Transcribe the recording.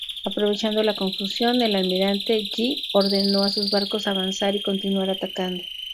Aprovechando la confusión, el almirante Yi ordenó a sus barcos avanzar y continuar atacando.